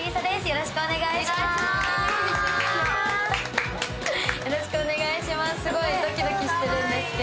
・よろしくお願いします。